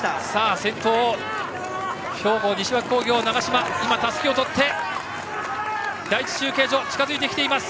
先頭兵庫・西脇工業の長嶋たすきを取って第１中継所が近づいてきています。